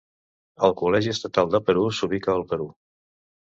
El Col·legi Estatal de Perú s'ubica al Perú.